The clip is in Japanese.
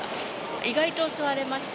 意外と座れました。